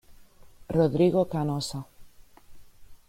Rodrigo Canosa